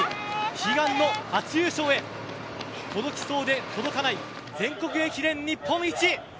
悲願の初優勝へ届きそうで届かない全国駅伝日本一。